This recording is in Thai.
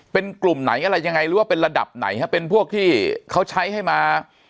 เป็นกลุ่มไหนอะไรยังไงหรือว่าเป็นระดับไหนฮะเป็นพวกที่เขาใช้ให้มา